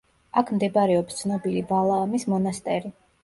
აქ მდებარეობს ცნობილი ვალაამის მონასტერი.